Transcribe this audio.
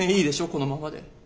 このままで。